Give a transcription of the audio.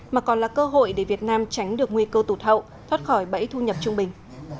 mà còn là cơ hội để việt nam tránh được nguy cơ tụt hậu thoát khỏi bẫy thu nhập trung bình